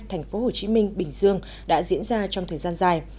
thành phố hồ chí minh bình dương đã diễn ra trong thời gian dài